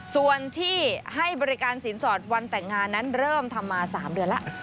ส่วนที่ให้บริการสินสอดวันแต่งงานนั้นเริ่มทำมา๓เดือนแล้ว